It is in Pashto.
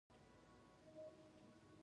هغې د کورنیو جګړو پر مهال د وطن درد بیان کړ